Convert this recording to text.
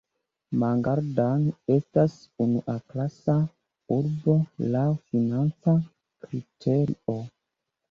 Mangaldan estas unuaklasa urbo laŭ financa kriterio.